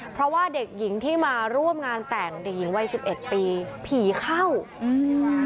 เพราะว่าเด็กหญิงที่มาร่วมงานแต่งเด็กหญิงวัยสิบเอ็ดปีผีเข้าอืม